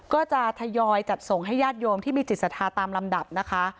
ก็จะทยอยจัดส่งให้ญาติโยมที่มีจิตศรัทธาตามลำดับนะคะ